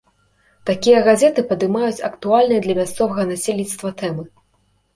Такія газеты падымаюць актуальныя для мясцовага насельніцтва тэмы.